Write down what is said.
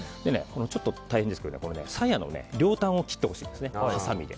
ちょっと大変ですけどさやの両端をはさみで切ってほしいんです。